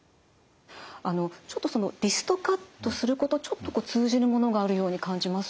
あのちょっとそのリストカットする子とちょっとこう通じるものがあるように感じます。